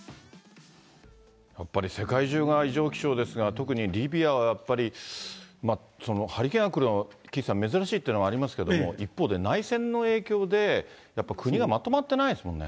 やっぱり世界中が異常気象ですが、特にリビアはやっぱり、ハリケーンが来るのは岸さん、珍しいというのはありますけども、一方で内戦の影響で、やっぱり国がまとまってないですもんね。